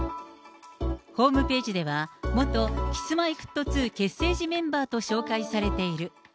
ホームページでは元Ｋｉｓ−Ｍｙ−Ｆｔ２結成時メンバーと紹介されている。